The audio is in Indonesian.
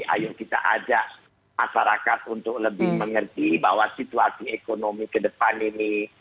ayo kita ajak masyarakat untuk lebih mengerti bahwa situasi ekonomi ke depan ini